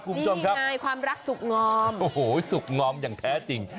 คุณผู้ชมครับใช่ความรักสุขงอมโอ้โหสุขงอมอย่างแท้จริง